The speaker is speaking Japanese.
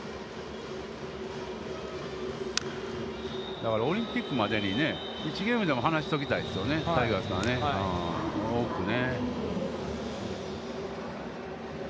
だから、オリンピックまでに１ゲームでも離しておきたいですよね、タイガースは多くね。